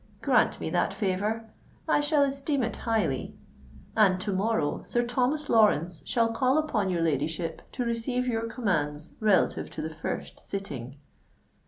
Grant me that favour—I shall esteem it highly; and to morrow Sir Thomas Lawrence shall call upon your ladyship to receive your commands relative to the first sitting."